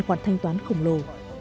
khoản thanh toán khổng lồ